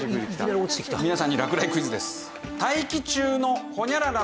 皆さんに落雷クイズです。